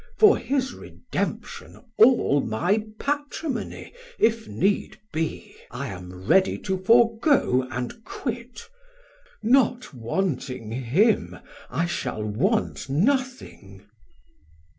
For his redemption all my Patrimony, If need be, I am ready to forgo And quit: not wanting him, I shall want nothing.